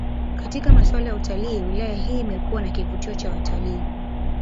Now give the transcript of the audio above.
Katika maswala ya utalii wilaya hii imekuwa na kivutio cha watalii